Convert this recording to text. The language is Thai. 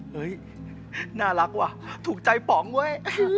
เฮ้ยน่ารักว่ะถูกใจป๋องเว้ย